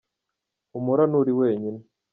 humura nturi wenyine.